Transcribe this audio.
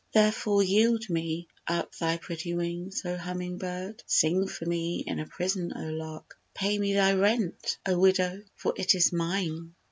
Therefore yield me up thy pretty wings, O humming bird! Sing for me in a prison, O lark! Pay me thy rent, O widow! for it is mine.